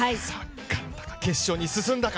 決勝に進んだか。